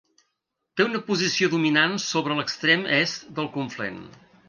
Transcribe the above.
Té una posició dominant sobre l'extrem est del Conflent.